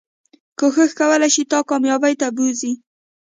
کوښښ کولی شي تا کاميابی ته بوځي